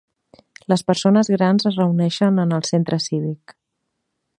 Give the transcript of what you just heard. Les persones grans es reuneixen en el centre cívic.